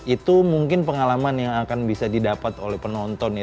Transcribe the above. itu mungkin pengalaman yang akan bisa didapat oleh penonton ya